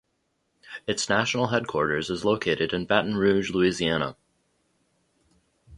Its national headquarters is located in Baton Rouge, Louisiana.